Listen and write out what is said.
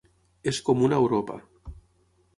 És comuna a Europa.